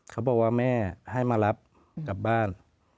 เขาบอกว่าแม่ให้มารับกลับบ้าน